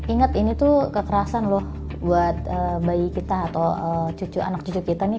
ingat ini tuh kekerasan loh buat bayi kita atau cucu anak cucu kita nih